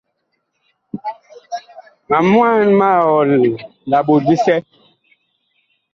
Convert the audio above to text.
Ma mwaan mag ɔl la ɓot bisɛ.